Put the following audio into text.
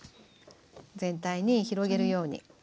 全体に広げるように。